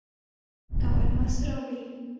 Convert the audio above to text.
او الماس راوړي